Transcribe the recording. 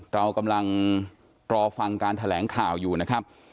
เรากำลังรอฟังการแถลงข่าวอยู่นะครับ